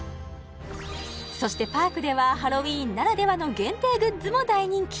そしてパークではハロウィーンならではの限定グッズも大人気！